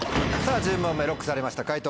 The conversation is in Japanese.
１０問目ＬＯＣＫされました解答